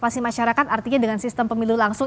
pasifi masyarakat artinya dengan sistem pemilu langsung